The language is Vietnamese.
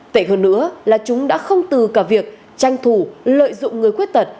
tệ hơn nữa là chúng đã không từ cả việc tranh thủ lợi dụng người khuyết tật